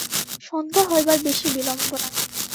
সন্ধ্যা হইবার বেশি বিলম্ব নাই।